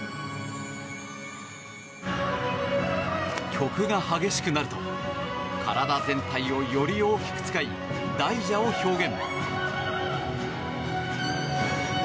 曲が激しくなると体全体をより大きく使い大蛇を表現。